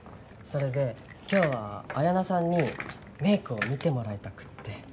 それで今日はあやなさんにメイクを見てもらいたくって。